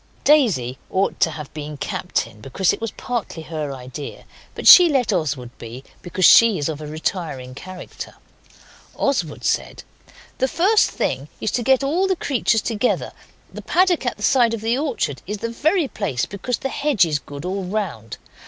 Daisy ought to have been captain because it was partly her idea, but she let Oswald be, because she is of a retiring character. Oswald said 'The first thing is to get all the creatures together; the paddock at the side of the orchard is the very place, because the hedge is good all round.